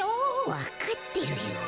わかってるよ。